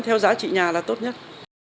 theo giá trị nhà là tốt nhất